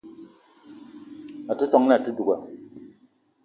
A te ton na àte duga